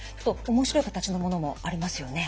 面白い形のものもありますよね。